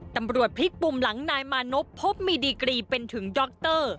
ตำรวจพลิกปุ่มหลังนายมานพพบมีดีกรีเป็นถึงดร